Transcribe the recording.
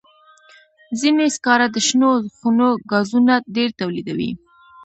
ځینې سکاره د شنو خونو ګازونه ډېر تولیدوي.